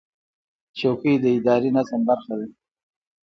چوکۍ د اداري نظم برخه ده.